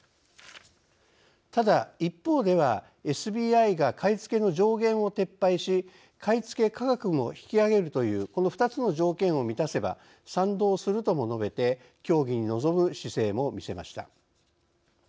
ただ一方ではＳＢＩが買い付けの上限を撤廃し買い付け価格も引き上げるというこの２つの条件を満たせば賛同するとも述べて協議に臨む姿勢も見せました。